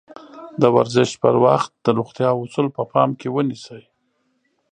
د ورزش پر وخت د روغتيا اَصول په پام کې ونيسئ.